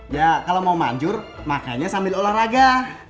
ya kalau mau manjur makanya sambil olahraga